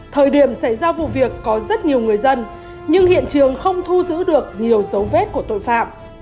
thời điểm xảy ra vụ việc có rất nhiều người dân nhưng hiện trường không thu giữ được nhiều dấu vết của tội phạm